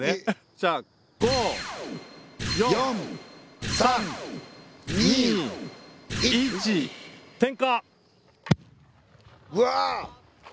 じゃあうわ！